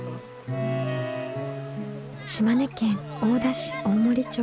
島根県大田市大森町。